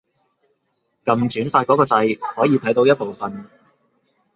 撳轉發嗰個掣可以睇到一部分